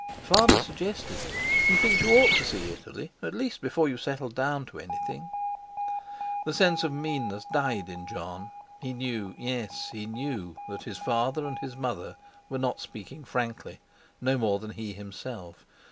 "Father suggested it; he thinks you ought to see Italy at least before you settle down to anything." The sense of meanness died in Jon; he knew, yes—he knew—that his father and his mother were not speaking frankly, no more than he himself.